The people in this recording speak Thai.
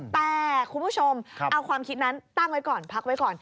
แต่คุณผู้ชมเอาความคิดนั้นตั้งไว้ก่อนพักไว้ก่อน